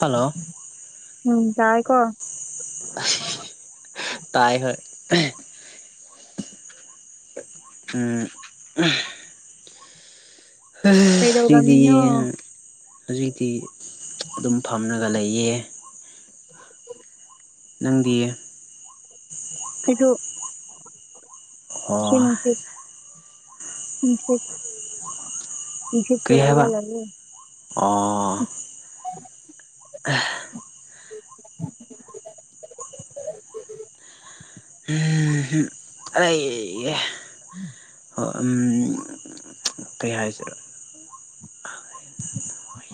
hello ꯎꯝ ꯌꯥꯏ ꯀꯣ ꯇꯥꯏ ꯍ ꯎꯝ ꯏꯗꯤ ꯀꯩꯗꯧꯔꯝꯃꯤꯅꯣ ꯍꯧꯖꯤꯛꯇꯤ ꯑꯗꯨꯝ ꯐꯝꯅꯒ ꯂꯩꯌꯦ ꯅꯪꯗꯤꯌꯦ [inaudible] ꯁꯦ ꯑꯣ ꯏꯁꯦ ꯀꯔꯤ ꯇꯔꯒ ꯍꯥꯏꯕ ꯂꯩꯒꯦ ꯑꯣ ꯎꯝ ꯑꯩꯌꯦ ꯎꯝ ꯍꯣꯏ ꯎꯝ ꯀꯩ ꯍꯥꯏꯁꯤꯔ [unintelligible]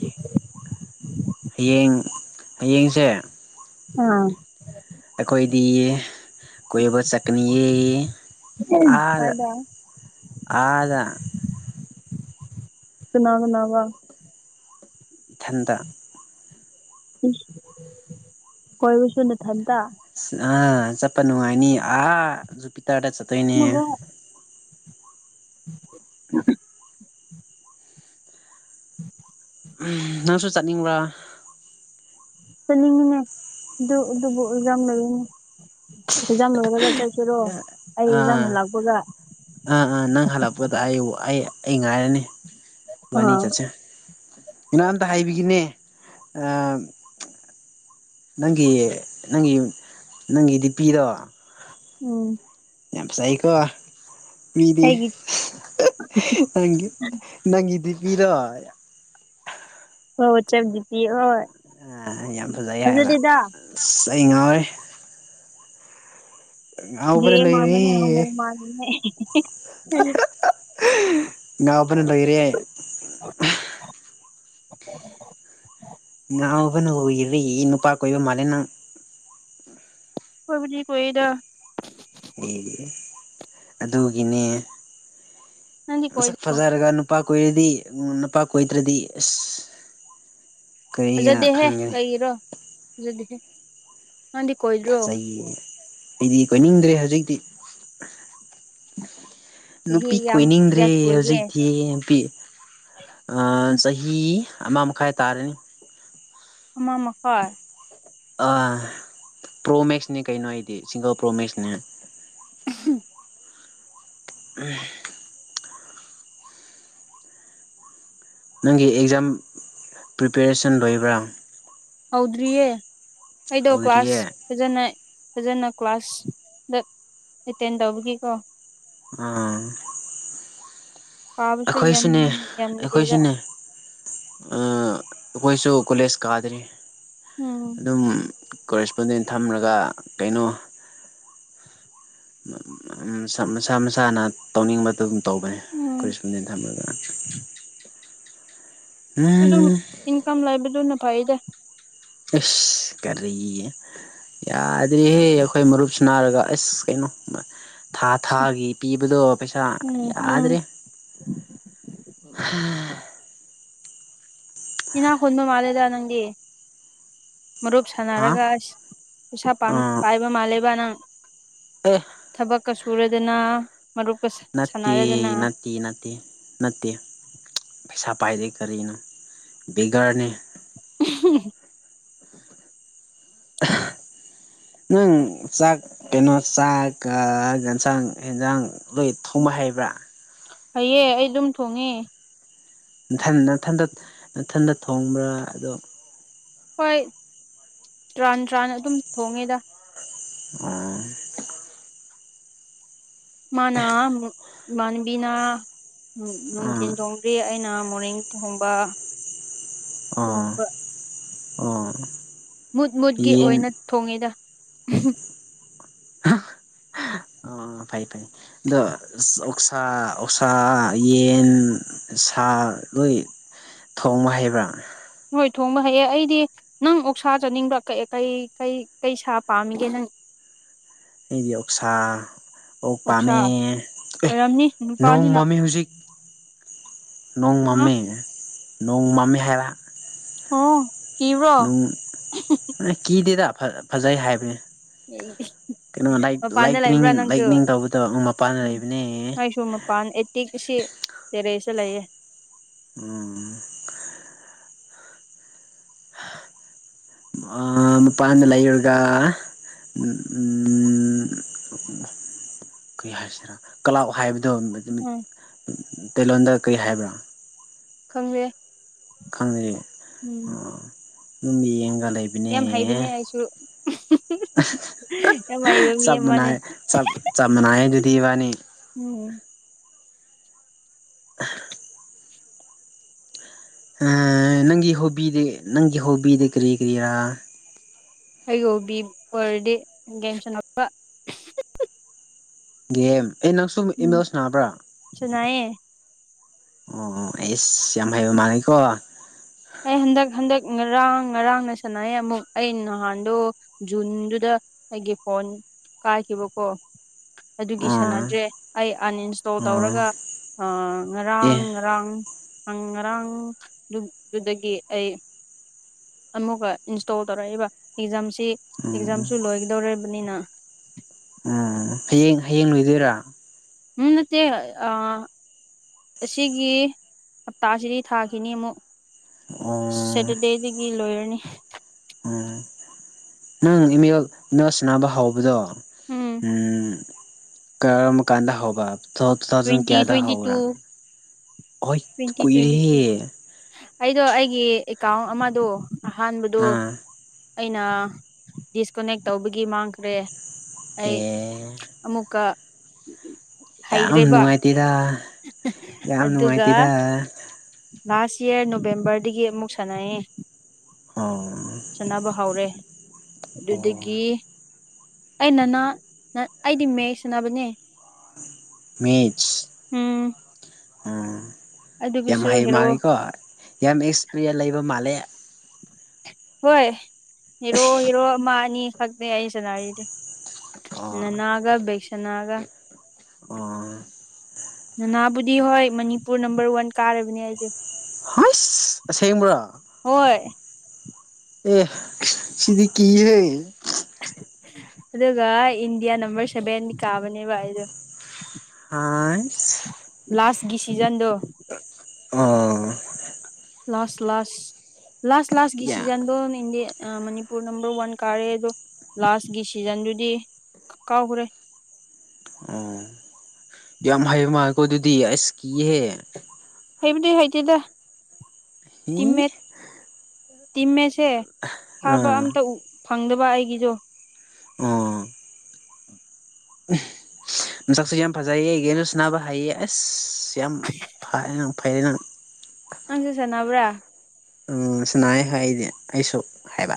[inaudible] ꯍꯌꯦꯡ ꯍꯌꯦꯡꯁꯦ ꯑꯥ ꯑꯩꯈꯣꯏꯗꯤ ꯀꯣꯏꯕ ꯆꯠꯅꯤꯌꯦ ꯑ ꯀꯥꯏꯗ ꯑ ꯁꯅꯥꯅꯥ ꯋꯥ ꯏꯊꯟꯇ ꯀꯣꯏꯕꯨꯁꯨ ꯅꯊꯟꯗ ꯑꯥ ꯆꯠꯄ ꯅꯨꯡꯉꯥꯏꯅꯤ ꯑꯥ ꯖꯨꯄꯤ ꯇꯔꯗ ꯆꯠꯇꯣꯏꯅꯦ ꯎꯝ ꯅꯪꯁꯨ ꯆꯠꯅꯤꯡꯕ꯭ꯔꯥ ꯆꯠꯅꯤꯡꯉꯤꯅꯦ ꯑꯗꯨ ꯑꯗꯨꯕꯨ ꯑꯦꯛꯖꯥꯝ ꯂꯧꯔꯤꯅꯦ ꯑꯦꯛꯖꯥꯝ ꯂꯧꯔꯒ ꯆꯠ ꯁꯤꯔꯣ ꯑꯩ ꯑꯦꯛꯖꯥꯝ ꯑꯥ ꯍꯜꯂꯛꯄꯒ ꯑꯥ ꯑꯥ ꯅꯪ ꯍꯜꯂꯛꯄꯗ ꯑꯩ ꯑꯩ ꯑꯩ ꯉꯥꯏꯔꯅꯤ ꯑꯗꯨꯅꯤ ꯑꯥ ꯆꯠꯆꯥꯦ ꯏ ꯑꯝꯇ ꯍꯥꯏꯕꯤꯒꯤꯅꯦ ꯅꯪꯒꯤ ꯅꯪꯒꯤ ꯅꯪꯒꯤꯗꯤ ꯄꯤꯔꯣ ꯎꯝ ꯌꯥꯝ ꯁꯥꯏꯀꯣ ꯃꯤꯗꯤꯨ ꯑꯩꯒꯤ ꯅꯪꯒꯤꯗꯤ ꯄꯤꯔꯣꯏ ꯍ ꯆꯕꯗꯤꯇ ꯍꯣꯏ ꯑ ꯌꯥꯝ ꯐꯖꯩ ꯍꯥꯏꯕ ꯐꯖꯗꯦꯗ ꯑꯁ ꯑꯩ ꯉꯥꯎꯔꯦ ꯌꯦ ꯉꯥꯎꯕꯅ ꯃꯥꯃꯦꯅꯦ ꯍꯨ ꯂꯣꯏꯔꯦ ꯃꯥꯃꯤꯅꯦ ꯉꯥ ꯐ ꯂꯣꯏꯔꯤ ꯑꯣ ꯅꯅꯥꯕ ꯅ ꯏꯔꯤ ꯏ ꯅꯨꯄꯥ ꯀꯣꯏꯕ ꯃꯂꯦꯅ ꯀꯕꯅꯤ ꯀꯣꯏꯗ ꯑꯦ ꯑꯗꯨꯒꯤꯅꯦ ꯅꯪꯗꯤ ꯀꯣꯏꯗ꯭ꯔꯣ ꯐꯖꯔꯒ ꯅꯨꯄꯥ ꯀꯣꯏꯔꯗꯤ ꯎ ꯅꯨꯄꯥ ꯀꯣꯏꯗ꯭ꯔꯗꯤ ꯑꯁ ꯀꯔꯤꯒꯤꯅ ꯐꯖꯗꯦꯍꯦ ꯈꯟꯒꯅꯤ ꯂꯩꯒꯤꯔꯣ ꯐꯖꯗꯦꯍꯦ ꯅꯪꯗꯤ ꯀꯣꯏꯗ꯭ꯔꯣ ꯐꯖꯩꯌꯦ ꯑꯩꯗꯤ ꯀꯣꯏꯅꯤꯡꯗ꯭ꯔꯦ ꯍꯧꯖꯤꯛꯇꯤ ꯆꯍꯤ ꯅꯨꯄꯤ ꯌꯥꯝ ꯀꯣꯏꯅꯤꯡꯗ꯭ꯔꯦ ꯀꯌꯥ ꯁꯨꯔꯒꯦ ꯍꯧꯖꯤꯛꯇꯤ ꯅꯨꯄꯤ ꯎꯝ ꯆꯍꯤ ꯑꯃ ꯃꯈꯥꯏ ꯇꯥꯔꯅꯤ ꯍꯃꯥ ꯃꯈꯈ ꯄ꯭ꯔꯣ ꯃꯦꯛꯁꯅꯦ ꯀꯩꯅꯣ ꯑꯩꯗꯤ ꯁꯤꯡꯒꯜ ꯄ꯭ꯔꯣ ꯃꯦꯛꯁꯅꯦ ꯎ ꯎꯝ ꯅꯪꯒꯤ ꯑꯦꯛꯖꯥꯝ ꯄ꯭ꯔꯤꯄꯦꯔꯦꯁꯟ ꯂꯣꯏꯕ꯭ꯔꯥ ꯍꯧꯗ꯭ꯔꯤꯌꯦ ꯑꯩꯗꯣ ꯍꯧꯗ꯭ꯔꯤꯌꯦ ꯀ꯭ꯂꯥꯁ ꯐꯖꯅ ꯐꯖꯅ ꯀ꯭ꯂꯥꯁ ꯗ ꯑꯦꯇꯦꯟ ꯇꯧꯕꯒꯤꯀꯣ ꯑꯥ ꯄꯥꯕꯁꯨ ꯑꯩꯈꯣꯏ ꯌꯥꯝ ꯁꯤꯅꯦ ꯌꯥꯝꯗꯦꯗ ꯑꯩꯈꯣꯏꯁꯤꯅꯦ ꯑꯩꯈꯣꯏꯁꯨ ꯀꯣꯂꯦꯖ ꯀꯥꯗ꯭ꯔꯤ ꯎꯝ ꯑꯗꯨꯝ ꯀꯣꯔꯦꯁꯄꯣꯟꯗꯦꯟ ꯊꯝꯂꯒ ꯀꯩꯅꯣ ꯃꯁꯥ ꯃꯁꯥꯅ ꯇꯧꯅꯤꯡꯕꯗꯨ ꯑꯗꯨꯝ ꯇꯧꯕꯅꯦ ꯎꯝ ꯀꯔꯤꯁꯄꯗꯤ ꯊꯝꯃꯒ ꯑꯗꯨꯝ ꯎꯝ ꯏꯟꯀꯝ ꯂꯩꯕꯗꯨꯅ ꯐꯩꯗ ꯑꯦꯁ ꯀꯔꯤꯦ ꯌꯥꯗꯦꯍꯦ ꯑꯩꯈꯣꯏ ꯃꯔꯨꯞꯁꯤ ꯅꯥꯔꯒ ꯑꯁ ꯀꯩꯅꯣ ꯊꯥ ꯊꯥꯒꯤ ꯄꯤꯕꯗꯣ ꯄꯩꯁꯥ ꯎꯝ ꯌꯥꯗ꯭ꯔꯦ ꯎꯝ ꯎꯝ ꯏꯅ ꯍꯟ ꯃꯥꯂꯦꯗꯥ ꯅꯪꯒꯤ ꯃꯔꯨꯞ ꯍꯥ ꯁꯥꯟꯅꯔꯒ ꯑ ꯈꯨꯩꯁꯥ ꯑꯥ ꯄꯥꯏꯕ ꯃꯥꯜꯂꯕ ꯅꯪ ꯑꯦ ꯊꯕꯛꯀ ꯁꯨꯔꯗꯅ ꯃꯨ ꯀꯁ ꯅꯠꯇ ꯅꯠꯇ ꯅꯠꯇꯦ ꯅꯠꯇꯦ ꯄꯩꯁꯥ ꯄꯥꯏꯗꯦ ꯀꯔꯤꯅꯣ ꯕꯦꯒꯔꯅꯦ [inaudible] ꯅꯪ ꯆꯥꯛ ꯀꯩꯅꯣ ꯆꯥꯛ ꯌꯦꯟꯁꯥꯡ ꯑꯦꯟꯁꯥꯡ ꯂꯣꯏ ꯊꯣꯡꯕ ꯍꯩꯕ꯭ꯔꯥ ꯍꯑꯦ ꯑꯩ ꯑꯗꯨꯝ ꯊꯣꯡꯉꯦ ꯊꯊꯟꯗꯊꯟꯗ ꯊꯣꯡꯕ꯭ꯔꯥ ꯑꯗꯣ ꯍꯣꯏ ꯇꯔꯥꯟ ꯇ꯭ꯔꯥꯟ ꯑꯗꯨꯝ ꯊꯣꯡꯉꯦꯗ ꯑ ꯃꯅ ꯏꯥꯟꯕꯤꯅ ꯅꯅꯨꯡ ꯑꯥ ꯊꯤꯟꯗꯣꯡ ꯔꯤ ꯑꯩꯅ ꯃꯣꯔꯅꯤꯡ ꯊꯍꯣꯡꯕ ꯊꯍꯣꯡꯕ ꯑꯥ ꯃꯨꯠ ꯃꯨꯠꯀꯤ ꯑꯣꯏꯅ ꯊꯣꯡꯉꯤꯗ ꯑꯥ ꯐꯩ ꯐꯩ ꯑꯗꯣ ꯑꯣꯛꯁꯥ ꯑꯣꯛꯁꯥ ꯌꯦꯟ ꯁꯥ ꯂꯣꯏ ꯊꯣꯡꯕ ꯍꯩꯕ꯭ꯔꯥ ꯍꯣꯏ ꯊꯣꯡꯕ ꯍꯩꯑ ꯑꯩꯗꯤ ꯅꯪ ꯑꯣꯛꯁꯥ ꯆꯥꯅꯤꯡꯕ꯭ꯔꯥ ꯀꯩ ꯀꯩ ꯀꯩ ꯁꯥ ꯄꯥꯝꯃꯤꯒꯦ ꯅꯪ ꯑꯩꯗꯤ ꯑꯣꯛꯁꯥ ꯑꯣ ꯄꯥꯃꯤ ꯑꯣꯛꯁꯥ ꯑꯦ ꯑꯣꯏꯔꯝꯅꯤ ꯅꯣꯡ ꯅꯨꯄꯥꯅꯤꯅ ꯃꯃꯤ ꯍꯧꯖꯤꯛ ꯅꯣꯡ ꯑ ꯃꯃꯤ ꯅꯣꯡꯃꯃꯤ ꯍꯥꯏꯔꯥ ꯑ ꯅꯨꯡ ꯀꯤꯗꯦꯗ ꯐꯖꯩ ꯍꯥꯏꯕꯅꯦ ꯀꯩꯅꯣ ꯃꯄꯥꯟꯗ ꯂꯥꯏꯅꯤꯡ ꯂꯩꯕ꯭ꯔꯥ ꯅꯪꯁꯨ ꯂꯥꯏꯛꯅꯤꯡ ꯇꯧꯕꯗꯕ ꯃꯄꯥꯟꯗ ꯂꯩꯕꯅꯦ ꯋꯥꯥꯟ ꯑꯩꯠꯇꯤꯁꯤ ꯇꯦꯔꯦꯁ ꯂꯩꯌꯦ ꯎꯝ ꯃꯄꯥꯟꯗ ꯂꯩꯔꯒ ꯎꯝ ꯎꯝ ꯀꯔꯤ ꯍꯥꯏꯁꯤꯔꯥ ꯀ꯭ꯂꯕ ꯍꯥꯏꯕꯗꯣ ꯎꯝ ꯇꯩꯂꯣꯟꯗ ꯀꯔꯤ ꯍꯥꯏꯕ꯭ꯔꯥ ꯈꯪꯒꯦ ꯈꯪꯗꯦ ꯑꯗꯨꯝꯡꯒ ꯂꯩꯕ ꯌꯥꯝ ꯍꯩꯕꯅꯦ ꯑꯩꯁꯨ ꯌꯥꯝ ꯍꯩꯕ ꯃꯤ ꯆꯞ ꯑꯃꯅꯦ ꯃꯥꯟꯅꯩ ꯆꯞ ꯆꯅꯥꯏꯗꯨꯗꯕꯥꯅꯤ ꯎꯝ ꯅꯪꯒꯤ ꯍꯣꯕꯤꯗ ꯅꯪꯒꯤ ꯍꯣꯕꯤꯤꯗ ꯀꯔꯤ ꯀꯔꯤꯔ ꯑꯩꯌꯣꯕꯤ ꯔꯗꯦ ꯀ ꯒꯦꯝ ꯑꯦ ꯅꯪ ꯁꯨꯝ ꯏꯃꯦꯜꯁ ꯅꯥꯕ꯭ꯔꯥ ꯆꯅꯥꯑꯌꯦ ꯑꯣ ꯑꯩꯁ ꯌꯥꯝ ꯍꯩꯕ ꯃꯥꯥꯟꯂꯦꯀꯣ ꯑꯩ ꯍꯟꯗꯛ ꯍꯟꯗꯛ ꯉꯔꯥꯡ ꯉꯔꯥꯡꯅ ꯁꯥꯟꯅꯩ ꯑꯃꯨꯛ ꯑꯩ ꯅꯍꯥꯟꯗꯣ ꯖꯨꯟꯗꯨꯗ ꯑꯩꯒꯤ ꯐꯣꯟ ꯀꯥꯏꯈꯤꯕꯀꯣ ꯑꯗꯨꯒꯤ ꯁꯥꯟꯅꯗ꯭ꯔꯦ ꯑꯩ ꯑꯟꯏꯟꯁꯇꯣꯜ ꯑꯣ ꯇꯧꯔꯒ ꯉꯔꯥꯡ ꯑꯦ ꯉꯔꯥꯡ ꯉꯔꯥꯡꯗꯨꯗꯒꯤ ꯑꯩ ꯑꯃꯨꯛꯀ ꯏꯟꯁꯇꯣꯜ ꯇꯧꯔꯛꯏꯕ ꯑꯦꯛꯖꯥꯝꯁꯤ ꯎꯝ ꯑꯦꯛꯖꯥꯝꯁꯨ ꯂꯣꯏꯒꯗꯧꯔꯤꯕꯅꯤꯅ qꯑꯣ ꯍꯌꯦꯡ ꯍꯌꯦꯡ ꯂꯣꯏꯗꯣꯏꯔꯥ ꯎꯝꯠꯇ ꯑ ꯑꯁꯤꯒꯤ ꯍꯞꯇꯥꯁꯤꯗꯤ ꯊꯥꯈꯤꯅꯤ ꯑꯃꯨꯛ ꯑꯣ ꯁꯦꯇꯔꯗꯦꯗꯒꯤ ꯂꯣꯏꯔꯅꯤ ꯎ ꯅꯪ ꯏꯃꯦꯦꯜ ꯏꯅ ꯁꯅꯕ ꯍꯥꯎꯕꯗꯣ ꯎꯝ ꯀꯔ ꯀꯥꯟꯗ ꯍꯕ ꯊꯣ ꯊꯖꯟ ꯇ꯭ꯋꯦꯟꯇꯤ ꯀꯌꯥꯗ ꯇ꯭ꯋꯦꯟꯇꯤ ꯍꯧꯔꯥ ꯇꯨ ꯇ꯭ꯋꯦꯟꯇꯤ ꯇ꯭ꯋꯦꯟꯇꯤ ꯇꯨ ꯑꯩꯗꯣ ꯑꯩꯒꯤ ꯑꯦꯀꯥꯎꯟ ꯑꯃꯗꯣ ꯑꯍꯥꯟꯕꯗꯣ ꯑꯥ ꯑꯩꯅ ꯗꯤꯁꯀꯅꯦꯛ ꯇꯧꯕꯒꯤ ꯃꯥꯡꯈ꯭ꯔꯦ ꯑꯦ ꯑꯃꯨꯀ ꯌꯥꯝ ꯅꯨꯡꯉꯥꯏꯇꯦꯔ ꯌꯥꯝ ꯑꯗꯨꯒ ꯅꯨꯡꯉꯥꯏꯇꯦꯔ ꯂꯥꯁ ꯌꯌꯥꯔ ꯅꯣꯕꯦꯝꯕꯔꯗꯒꯤ ꯑꯃꯨꯛ ꯁꯥꯟꯅꯑ ꯑꯥꯎ ꯁꯥꯟꯅꯕ ꯍꯧꯔꯦ ꯑꯗꯨꯗꯒꯤ ꯑꯩ ꯅꯅꯥ ꯑꯩꯗꯤ ꯃꯌꯦꯛ ꯁꯅꯕꯅꯦ ꯃꯤꯦꯆ ꯎꯝ ꯌꯥꯝ ꯑꯗꯨꯒꯤꯁꯨ ꯍꯩ ꯍꯦꯔꯣ ꯃꯥꯥꯟꯜꯂꯤꯀꯣ ꯌꯥꯝ ꯑꯦꯛꯁꯄꯔꯤꯟ ꯂꯩꯕ ꯃꯥꯜꯂꯦ ꯍꯣꯏ ꯍꯦꯔꯣ ꯍꯦꯔꯣ ꯑꯃ ꯑꯅꯤ ꯈꯛꯇꯦ ꯑꯩ ꯁꯥꯟꯅꯔꯤꯗꯤ ꯑꯣ ꯅꯅꯥꯒ ꯕꯁꯅꯥꯒ ꯑꯣ ꯅꯅꯥꯕꯨꯗꯤ ꯍꯣꯏ ꯃꯅꯤꯄꯨꯔ ꯅꯝꯕꯔ ꯋꯥꯟ ꯀꯥꯔꯕꯅꯦ ꯑꯩꯗꯤ ꯁꯦꯃ꯭ꯔꯥ ꯍꯣꯏ ꯑꯦ ꯁꯤꯗꯤ ꯀ ꯍꯦ ꯑꯗꯨꯒ ꯏꯟꯗꯤꯌꯥ ꯅꯝꯕꯔ ꯁꯚꯦꯟ ꯀꯥꯕꯅꯦꯕ ꯑꯩꯗꯣ ꯑꯥꯏꯁ ꯂꯥꯁꯀꯤ ꯁꯤꯖꯟꯗꯣ ꯑꯥ ꯂꯁ ꯂꯁ ꯂꯁ ꯂꯁ ꯌꯥ ꯗꯤꯁꯤꯖꯟꯗꯣ ꯅꯗꯤ ꯃꯅꯤꯄꯨꯔ ꯅꯝꯕꯔ ꯋꯥꯟ ꯀꯥꯔꯦ ꯑꯗꯣ ꯂꯥꯁꯀꯤ ꯁꯤꯖꯟꯗꯨꯗꯤ ꯀꯥꯎꯈ꯭ꯔꯦ ꯑꯣ ꯌꯥꯝ ꯍꯥꯏꯩꯕ ꯃꯥꯜꯂꯦꯀꯣ ꯑꯗꯨꯗꯤ ꯑꯁ ꯀꯤꯍꯦ ꯍꯦꯕꯨꯗꯤ ꯍꯥꯏꯗꯤꯗ ꯍꯤ ꯇꯤꯝꯃꯦꯦꯠ ꯇꯤꯝꯃꯦꯦꯠꯁꯦ ꯐꯕ ꯑꯥ ꯑꯝꯇ ꯎ ꯐꯪꯗꯕ ꯑꯩꯒꯤꯁꯨꯣ ꯑ [inaudible] ꯅꯅꯨꯡꯁꯥꯛꯁꯨ ꯌꯥꯝ ꯐꯖꯩꯌꯦ ꯏꯒꯤꯅꯁ ꯅꯅꯥꯕ ꯍꯥꯏꯌꯦ ꯑꯁ ꯌꯥꯝ ꯐꯔ ꯐꯩꯔꯦ ꯅꯪ ꯑꯪ ꯆꯁꯦ ꯅꯕ꯭ꯔꯥ ꯁꯤꯅ ꯍꯥꯏ ꯑꯩꯗꯤ ꯑꯩꯁꯨ ꯍꯥꯏꯕ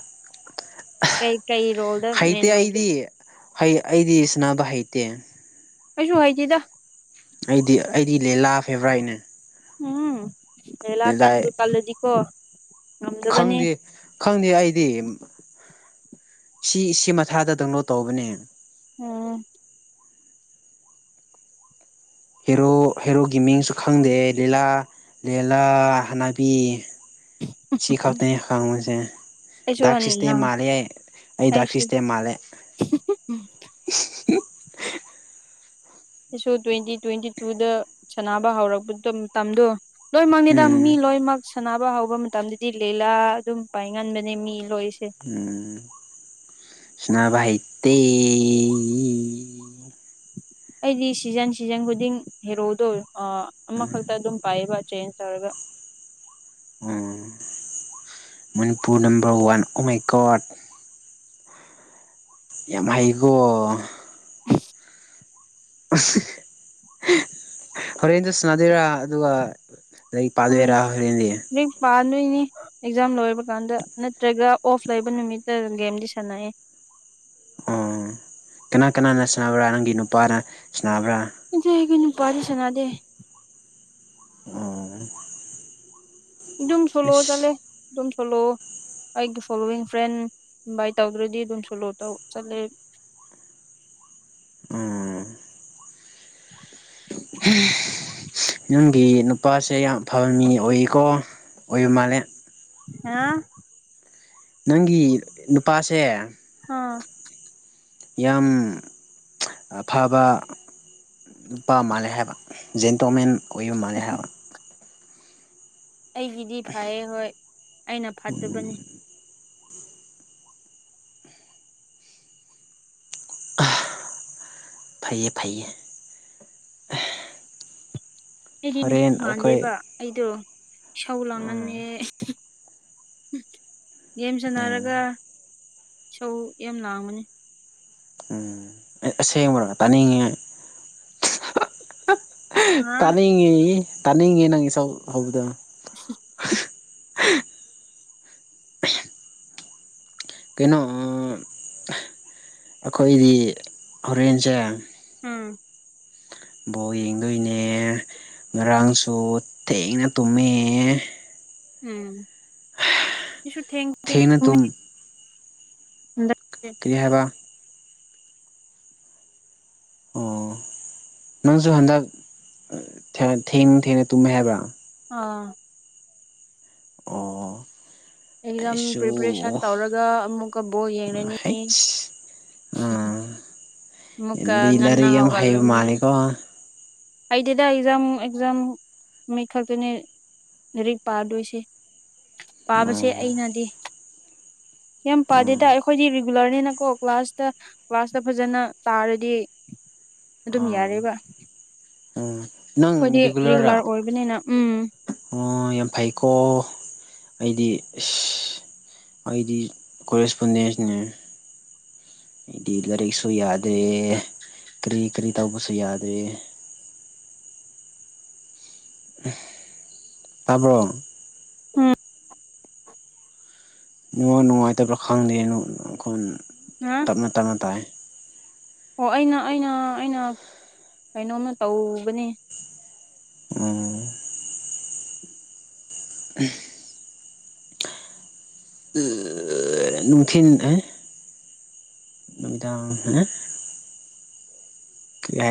ꯀꯩ ꯀꯩ ꯔꯣꯜꯗ ꯃꯦꯟ ꯍꯩꯇꯦ ꯑꯣꯏꯒꯦ ꯑꯩꯗꯤ ꯑꯩꯗꯤ ꯁꯅꯕ ꯍꯩꯇꯦ ꯀꯩꯁꯨ ꯍꯥꯏꯈꯤꯦꯗ ꯑꯩꯗꯤ ꯑꯩꯗꯤ ꯂꯤꯦꯂꯥ ꯐꯦꯕ꯭ꯔꯥꯏꯠꯅꯦ ꯎꯝ ꯑꯦꯂ ꯀꯟ ꯀꯜꯗꯤꯀꯣ ꯈꯪꯗꯦ ꯈꯪꯗꯦ ꯑꯩꯗꯤ ꯁꯤ ꯁꯤ ꯃꯊꯥꯗ ꯗꯪꯅꯣꯠ ꯇꯧꯕꯅꯦ ꯎꯝ ꯍꯦꯔꯣ ꯍꯦꯔꯣꯒꯤ ꯃꯤꯡꯁꯨ ꯈꯪꯗꯦ ꯂꯤꯂꯥ ꯂꯦꯂ ꯍꯅꯥꯕꯤ ꯁꯤ ꯈꯞꯇꯩ ꯍ ꯃꯅꯨꯡꯁꯦ ꯑꯩꯁꯨ ꯗꯥꯛ ꯍꯟꯅ ꯁꯤꯁꯇꯦꯝ ꯃꯥꯜꯂꯦ ꯑꯩ ꯑꯩ ꯗꯥꯛ ꯑꯩꯁꯨ ꯁꯤꯁꯇꯦꯝ ꯃꯥꯜꯂꯦ [inaudible] ꯁꯤꯁꯨ ꯇ꯭ꯋꯦꯟꯇꯤ ꯇ꯭ꯋꯦꯟꯇꯤ ꯇꯨꯗ ꯁꯥꯟꯅꯕ ꯍꯧꯔꯛꯄ ꯃꯇꯝꯗꯣ ꯂꯣꯏꯃꯛꯅꯤꯗ ꯃꯤ ꯎꯝ ꯂꯣꯏꯃꯛ ꯁꯥꯟꯅꯕ ꯍꯧꯕ ꯃꯇꯝꯗꯗꯤ ꯂꯤꯂꯥ ꯑꯗꯨꯝ ꯄꯥꯏ ꯉꯟꯕꯅꯦ ꯃꯤ ꯂꯣꯏꯁꯦ ꯎꯝ ꯁꯅꯥꯕ ꯍꯩꯇꯦ ꯑꯦ ꯑꯩꯗꯤ ꯁꯤꯖꯟ ꯁꯤꯖꯟ ꯈꯨꯗꯤꯡ ꯍꯦꯔꯣꯗꯣꯑ ꯎꯝ ꯑꯃꯈꯛꯇ ꯑꯗꯨꯝ ꯄꯥꯏꯑꯕ ꯆꯦꯟꯖ ꯇꯧꯔꯦꯕ ꯎꯝ Manipur number one oh my God ꯌꯥꯝ ꯍꯩꯒꯣ [inaudible] ꯍꯣꯔꯦꯟꯖꯨ ꯁꯅꯥꯗꯨꯔꯥ ꯑꯗꯨꯒ ꯂꯩ ꯄꯥꯂꯦꯔꯥ ꯍꯣꯔꯦꯟꯗꯤ ꯔꯤꯛꯁ ꯄꯥꯟꯗꯨꯏꯅꯤ ꯑꯦꯛꯖꯥꯝ ꯂꯣꯏꯕ ꯀꯥꯟꯗ ꯅꯠꯇ꯭ꯔꯒ ꯑꯣꯐ ꯂꯩꯕ ꯅꯨꯃꯤꯠꯇ ꯑꯗꯨꯝ ꯒꯦꯝꯗꯤ ꯁꯥꯟꯅꯑꯦ ꯑꯣ ꯀꯅꯥ ꯀꯅꯥꯅ ꯁꯥꯟꯅꯕ꯭ꯔꯥ ꯅꯪꯒꯤ ꯅꯨꯄꯥꯅ ꯁꯥꯟꯅꯕ꯭ꯔꯥ [unintelligible] ꯑꯩꯒꯤ ꯅꯨꯄꯥꯗꯤ ꯁꯥꯟꯅꯗꯦ ꯑꯣ ꯑꯗꯨꯝ ꯁꯣꯂꯣ ꯆꯠꯂꯦ ꯏꯁ ꯑꯗꯨꯝ ꯁꯣꯂꯣꯑꯣ ꯑꯩꯒꯤ ꯐꯣꯂꯣꯋꯤꯡ ꯐ꯭ꯔꯦꯟ ꯏꯟꯚꯥꯏꯠ ꯇꯧꯗ꯭ꯔꯗꯤ ꯑꯗꯨꯝ ꯁꯣꯂꯣ ꯇꯧ ꯆꯠꯂꯦ ꯎꯝ ꯅꯡꯒꯤ ꯅꯨꯄꯥꯁꯦ ꯌꯥꯝ ꯐꯍ ꯃꯤ ꯑꯣꯏꯀꯣ ꯑꯣꯏꯕ ꯃꯥꯜꯂꯦ ꯍꯥ ꯅꯪꯒꯤ ꯅꯨꯄꯥꯁꯦ ꯍꯥꯥ ꯌꯥꯝ ꯑꯐꯕ ꯅꯨꯨꯄꯥ ꯃꯥꯜꯂꯦ ꯍꯥꯏꯕ ꯖꯦꯟꯇꯣꯃꯦꯟ ꯍꯨꯌꯨ ꯃꯥꯜꯂꯦ ꯍꯥꯏꯕ ꯑꯩꯒꯤꯗꯤ ꯐꯌꯦ ꯍꯣꯏ ꯑꯩꯅ ꯐꯠꯇꯕꯅꯤ ꯐꯩꯌꯦ ꯐꯩꯌꯦ ꯑꯩꯗꯤ ꯅꯨꯄꯤ ꯍꯣꯔꯦꯟ ꯑꯩꯈꯣꯏ ꯃꯥꯟꯗꯦꯕ ꯑꯩꯗꯣ ꯏꯁꯧ ꯎꯝ ꯂꯥꯡꯉꯟꯅꯦ ꯒꯦꯝ ꯎꯝ ꯁꯟꯅꯔꯒ ꯏꯁꯧ ꯌꯥꯝ ꯂꯥꯡꯕꯅꯦ ꯎꯝ ꯑꯩ ꯑꯁꯦꯡꯕꯔꯣ ꯇꯥꯅꯤꯡꯉꯤ ꯍꯥ ꯇꯥꯅꯤꯡꯉꯤ ꯇꯥꯅꯤꯡꯉꯦ ꯅꯪꯒꯤ ꯏꯁꯧ ꯍꯧꯕꯗꯣ [unintelligible] ꯀꯩꯅꯣ ꯑ ꯑꯩꯈꯣꯏꯗꯤ ꯍꯣꯔꯦꯟꯁꯦ ꯎꯝ ꯕꯣꯜ ꯌꯦꯡꯗꯣꯏꯅꯦ ꯉꯔꯥꯡꯁꯨ ꯊꯦꯡꯅ ꯇꯨꯝꯃꯦ ꯎꯝ ꯏꯁꯨ ꯊꯦꯡ [unintelligible] ꯇꯨꯝ ꯍꯟꯗꯛ ꯀꯩ ꯍꯥꯏꯕ ꯑꯣ ꯅꯪꯁꯨ ꯍꯟꯗꯛ ꯑ ꯊꯦꯡ ꯊꯦꯡꯅ ꯇꯨꯝꯃꯦ ꯍꯥꯏꯕ꯭ꯔꯥ ꯑꯥ ꯑꯣ ꯑꯦꯛꯖꯥꯝ ꯑꯩꯁꯨ ꯄ꯭ꯔꯤꯄꯔꯦꯁꯟ ꯇꯧꯔꯒ ꯑꯃꯨꯛꯀ ꯕꯣꯜ ꯌꯦꯡꯔꯅꯤ ꯍꯩꯁ ꯑꯥ ꯑꯃꯨꯛꯀ ꯉꯟꯅ ꯂꯥꯏꯔꯤꯛ ꯌꯥꯝ ꯍꯩꯕ ꯍꯧꯒꯠꯂꯅꯤ ꯃꯥꯜꯂꯦꯀꯣ ꯑꯩꯗꯤꯗ ꯑꯦꯛꯖꯥꯝ ꯑꯦꯛꯖꯥꯝ ꯅꯨꯃꯤꯠ ꯈꯛꯇꯅꯤ ꯂꯥꯏꯔꯤꯛ ꯄꯥꯗꯣꯏꯁꯦ ꯄꯥꯕꯁꯦ ꯎꯝ ꯑꯩꯅꯗꯤ ꯌꯥꯝ ꯎꯝ ꯄꯥꯗꯦꯗ ꯑꯩꯈꯣꯏꯗꯤ ꯔꯤꯕ ꯔꯤꯒꯨꯂꯔꯅꯤꯅꯀꯣ ꯀ꯭ꯂꯥꯁꯇ ꯀ꯭ꯂꯥꯁꯇ ꯐꯖꯅ ꯇꯥꯔꯗꯤ ꯑꯗꯨꯝ ꯌꯥꯔꯦꯕ ꯑꯣ ꯅꯪ ꯑꯩꯈꯣꯏꯗꯤ ꯔꯤꯒꯨꯂꯔꯔꯥ ꯔꯤꯒꯨꯂꯔ ꯑꯣꯏꯕꯅꯤꯅ ꯎꯝ ꯑꯣ ꯌꯥꯝ ꯐꯩꯀꯣ ꯑꯩꯗꯤ ꯏꯁ ꯑꯩꯗꯤ ꯀꯣꯔꯦꯁꯄꯣꯟꯗꯦꯟꯁꯅꯦ ꯍꯥꯏꯗꯤ ꯂꯥꯏꯔꯤꯛꯁꯨ ꯌꯥꯗꯦ ꯀꯔꯤ ꯀꯔꯤ ꯇꯧꯕꯁꯨ ꯌꯥꯗꯦ ꯇꯥꯕ꯭ꯔꯣꯡ ꯎꯝ ꯉ ꯅꯨꯡꯉꯥꯏꯇꯕ꯭ꯔꯥ ꯈꯪꯗꯦꯅꯈꯣꯟ ꯑ ꯇꯞꯅ ꯇꯞꯅ ꯇꯥꯏ ꯑꯣ ꯑꯩꯅ ꯑꯩꯅ ꯑꯩꯅ ꯀꯩꯅꯣꯝꯅ ꯇꯧꯕꯅꯦ ꯎꯝ ꯅꯨꯡꯊꯤꯟ ꯅꯨꯃꯤꯗꯥ ꯍ ꯑꯣ